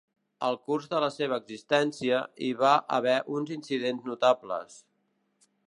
Al curs de la seva existència, hi va haver uns incidents notables.